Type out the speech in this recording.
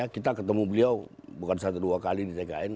kita ketemu beliau bukan satu dua kali di tkn